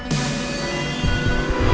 tidak kita harus ke dapur